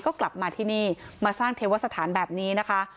ก็กลับมาที่นี่มาสร้างเทวสถานแบบนี้นะคะ